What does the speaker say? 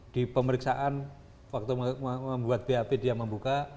di pemeriksaan waktu membuat bap dia membuka